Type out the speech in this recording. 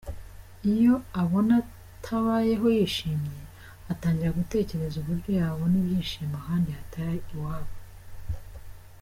Iyo abona atabayeho yishimye, atangira gutekereza uburyo yabona ibyishimo ahandi hatari iwabo.